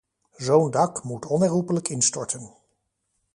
Zo'n dak moet onherroepelijk instorten.